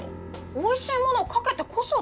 おいしいものをかけてこそだよ。